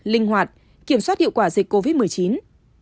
linh hoạt kiểm soát hiệu quả dịch covid một mươi chín